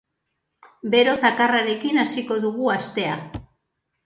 Bero zakarrarekin hasiko dugu astea.